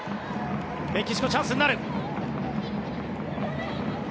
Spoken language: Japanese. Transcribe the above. メキシコチャンスになる。